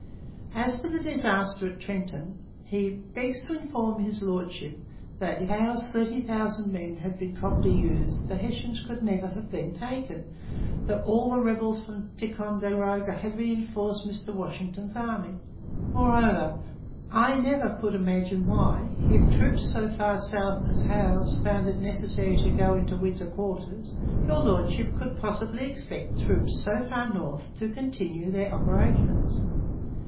As for the disaster at Trenton, he 'begs to inform his Lordship' that if Howe's thirty thousand men had been properly used the Hessians could never have been taken, 'though all the rebels from Ticonderoga had reinforced Mr Washington's army.' Moreover, 'I never could imagine why, if troops so far south [as Howe's] found it necessary to go into winter quarters, your Lordship could possibly expect troops so far north to continue their operations.'